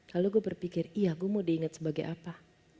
lalu gue berpikir iya gue mau diingat sebagai apa